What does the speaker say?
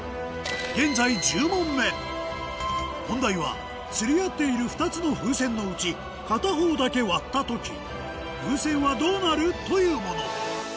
現在１０問目問題は釣り合っている２つの風船のうち片方だけ割った時風船はどうなる？というもの